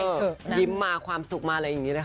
อินเนอร์ยิ้มมาความสุขมาอะไรอย่างนี้นะคะ